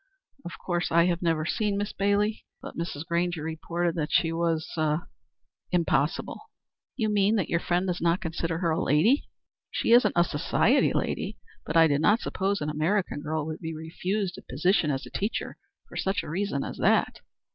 Of course I have never seen Miss Bailey, but Mrs. Grainger reported that she was er impossible." "You mean that your friend does not consider her a lady? She isn't a society lady, but I did not suppose an American girl would be refused a position as a teacher for such a reason as that."